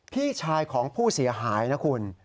พี่ชายของผู้เสียหายนะคุณ